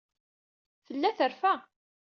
Tella terfa.